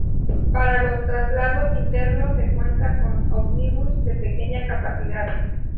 Para los traslados internos se cuentan con ómnibus de pequeña capacidad.